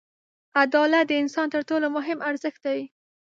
• عدالت د انسان تر ټولو مهم ارزښت دی.